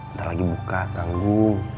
ntar lagi buka tanggung